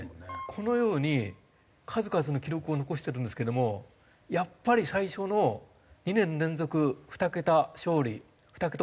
このように数々の記録を残してるんですけどもやっぱり最初の２年連続２桁勝利２桁ホームラン。